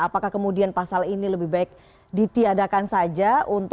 apakah kemudian pasal ini lebih baik ditiadakan saja